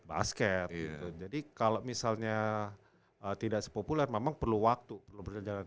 basket jadi kalau misalnya tidak sepopuler memang perlu waktu perlu berjalan jalan